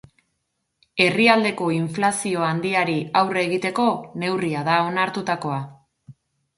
Herrialdeko inflazio handiari aurre egiteko neurria da onartutakoa.